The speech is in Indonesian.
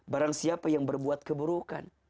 barang siapa yang berbuat keburukan